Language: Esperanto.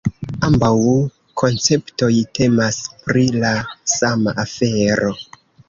Ambaŭ konceptoj temas pri la sama afero.